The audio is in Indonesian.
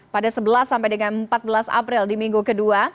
pada sebelas sampai dengan empat belas april di minggu kedua